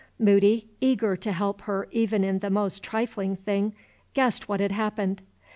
Moody, eager to help her even in the most trifling thing, guessed what had happened.